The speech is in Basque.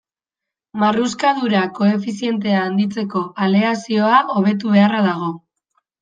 Marruskadura koefizientea handitzeko aleazioa hobetu beharra dago.